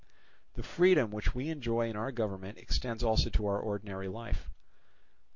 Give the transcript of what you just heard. The freedom which we enjoy in our government extends also to our ordinary life.